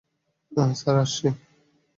Sir, আসছি।